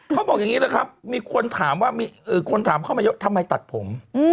เขาบอกอย่างนี้แหละครับมีคนถามว่าคนถามเข้ามาเยอะทำไมตัดผม